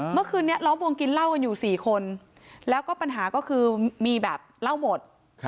เมื่อคืนนี้ล้อมวงกินเหล้ากันอยู่๔คนแล้วก็ปัญหาก็คือมีแบบเหล้าหมด